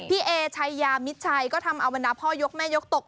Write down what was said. พี่เอ๋ใช้ยามิตรชัยก็ทำอาวรรณาพ่อยกแม่ยกตก